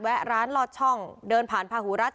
แวะร้านลอดช่องเดินผ่านพหุรัช